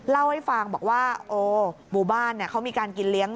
เล่าให้ฟังบอกว่าโอ้หมู่บ้านเขามีการกินเลี้ยง